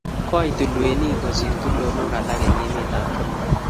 koi tulwet niit kosir tulonok alak eng' emet ab kenya